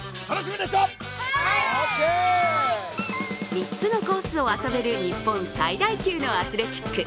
３つのコースを遊べる日本最大級のアスレチック。